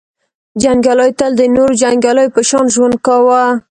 • جنګیالیو تل د نورو جنګیالیو په شان ژوند کاوه.